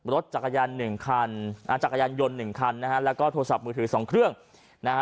รถจักรยาน๑คันจักรยานยนต์๑คันนะฮะแล้วก็โทรศัพท์มือถือ๒เครื่องนะฮะ